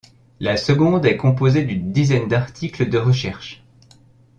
La seconde est composée d’une dizaine d’articles de recherche.